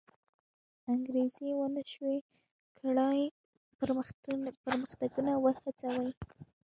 انګېزې و نه شوی کړای پرمختګونه وهڅوي.